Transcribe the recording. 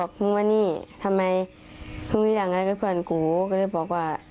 พึ่งที่อย่างก็เพื่อนกูก็ได้บอกว่า